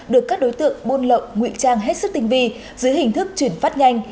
được các đối tượng buôn lậu ngụy trang hết sức tinh vi dưới hình thức chuyển phát nhanh